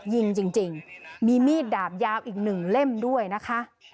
ยิงจริงมีมีดดาบยาวอีกหนึ่งเล่มด้วยนะคะ